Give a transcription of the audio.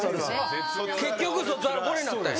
結局卒アルこれになったんや。